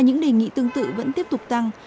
những đề nghị tương tự vẫn tiếp tục tăng